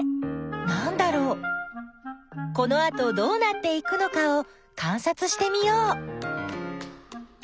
このあとどうなっていくのかをかんさつしてみよう。